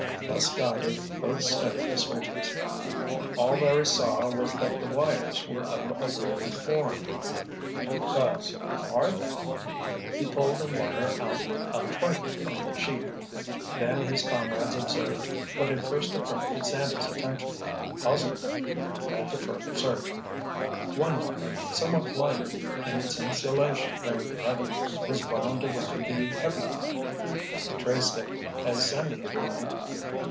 Thus guided, both studied the switches. All Larry saw was that the wires were of a braided form. "But—are they?" He pulled a wire out a trifle from the sheath. Then his comrades observed what had first attracted Sandy's attention, puzzled him and led to further search. One wire, somewhat lighter in its insulation than the other, was wound around the heavier one. They traced it, as Sandy had done.